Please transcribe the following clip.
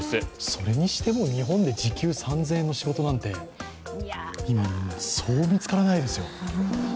それにしても日本で時給３０００円の仕事なんて、そう見つからないですよ。